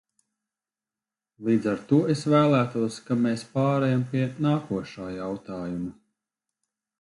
Līdz ar to es vēlētos, ka mēs pārejam pie nākošā jautājuma.